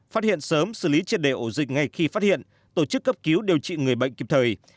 phát hiện sớm xử lý triệt đề ổ dịch ngay khi phát hiện tổ chức cấp cứu điều trị người bệnh kịp thời